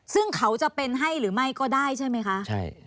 ซึ่งเขาจะเป็นให้หรือไม่ก็ได้ใช่ไหมคะใช่